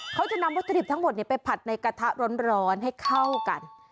เขาจะนำวัตถุดิบทั้งหมดไปผัดในกระทะร้อนให้เข้ากัน